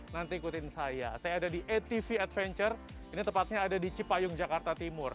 nanti ikutin saya saya ada di atv adventure ini tepatnya ada di cipayung jakarta timur